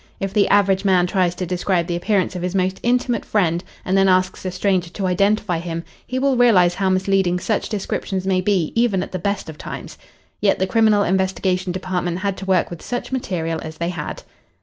If the average man tries to describe the appearance of his most intimate friend and then asks a stranger to identify him, he will realise how misleading such descriptions may be even at the best of times. Yet the Criminal Investigation Department had to work with such material as they had.